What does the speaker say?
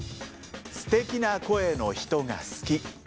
「すてきな声の人が好き」。